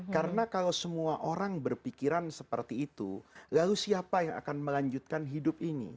karena kalau semua orang berpikiran seperti itu lalu siapa yang akan melanjutkan hidup ini